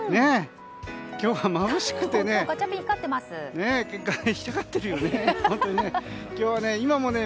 今日はまぶしくてね。